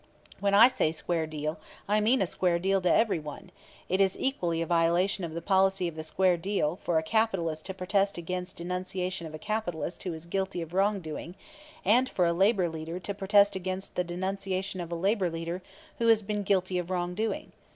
When I say "Square deal," I mean a square deal to every one; it is equally a violation of the policy of the square deal for a capitalist to protest against denunciation of a capitalist who is guilty of wrongdoing and for a labor leader to protest against the denunciation of a labor leader who has been guilty of wrongdoing.